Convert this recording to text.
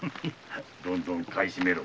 どんどん買い占めろ。